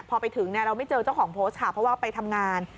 พอไปถึงเราไม่เจอเจ้าของโพสต์ค่ะเพราะว่าไปทำงาน